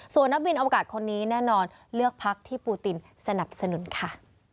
ส่วนนักบินอวกาศคนนี้แน่นอนเลือกพักที่ปูตินสนับสนุนค่ะ